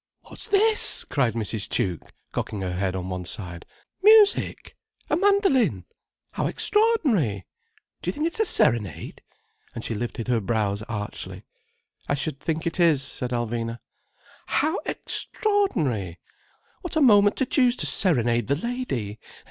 "What's this?" cried Mrs. Tuke, cocking her head on one side. "Music! A mandoline! How extraordinary! Do you think it's a serenade?—" And she lifted her brows archly. "I should think it is," said Alvina. "How extraordinary! What a moment to choose to serenade the lady!